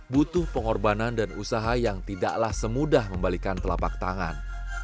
butuh pengorbanan dan usaha yang tidaklah semudah membalikan telapak tangan